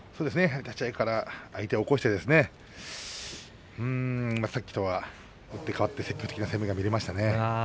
立ち合いから相手を起こしてさっきとは打って変わって積極的な攻めが見られましたね。